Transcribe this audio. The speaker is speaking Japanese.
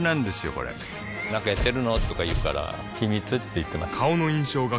これなんかやってるの？とか言うから秘密って言ってます